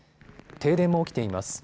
停電も起きています。